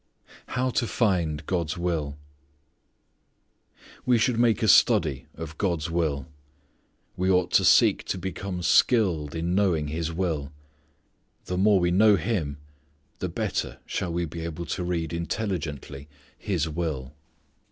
How to Find God's Will. We should make a study of God's will. We ought to seek to become skilled in knowing His will. The more we know Him the better shall we be able to read intelligently His will.